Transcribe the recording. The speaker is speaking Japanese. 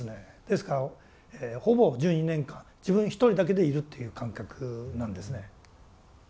ですからほぼ１２年間自分一人だけでいるという感覚なんですね。